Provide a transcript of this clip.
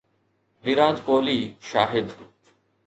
Virat Kohli Shahid